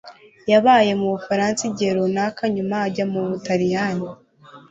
Yabaye mu Bufaransa igihe runaka, nyuma ajya mu Butaliyani.